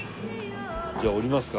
じゃあ降りますか。